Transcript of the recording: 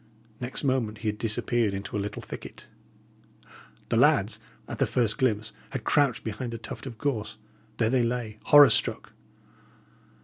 Next moment he had disappeared into a little thicket. The lads, at the first glimpse, had crouched behind a tuft of gorse; there they lay, horror struck.